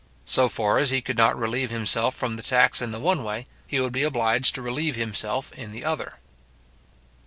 So far as he could not relieve himself from the tax in the one way, he would be obliged to relieve himself in the other.